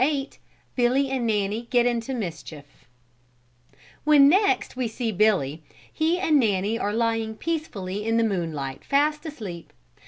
Billy and Nanny Get into Mischief When next we see Billy, he and Nanny are lying peacefully in the moonlight fast asleep.